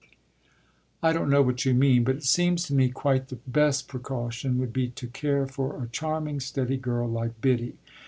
"I don't know what you mean, but it seems to me quite the best precaution would be to care for a charming, steady girl like Biddy.